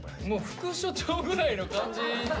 副所長ぐらいの感じ。